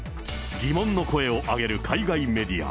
疑問の声を上げる海外メディア。